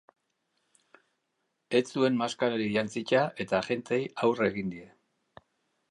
Ez zuen maskararik jantzita, eta agenteei aurre egin die.